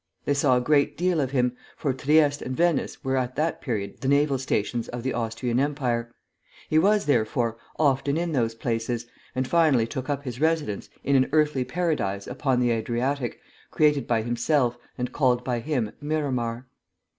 They saw a great deal of him, for Trieste and Venice were at that period the naval stations of the Austrian Empire. He was, therefore, often in those places, and finally took up his residence in an earthly paradise upon the Adriatic, created by himself and called by him Miramar.